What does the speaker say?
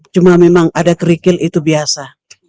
cuma memang ada kerikil itu biasa